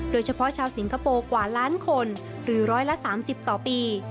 โดยเฉพาะชาวสิงคโปร์กว่าล้านคนหรือร้อยละ๓๐ต่อปี